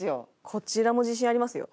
こちらも自信ありますよ。